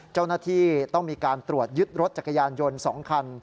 เจ้าหน้าที่ต้องมีการตรวจยึดรถจักรยานยนต์๒คัน